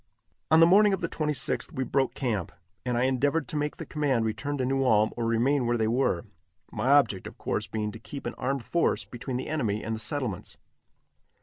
On the morning of the 26th we broke camp, and I endeavored to make the command return to New Ulm or remain where they were my object, of course, being to keep an armed force between the enemy and the settlements.